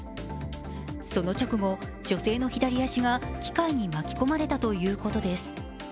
その直後、女性の左足が機械に巻き込まれたということです。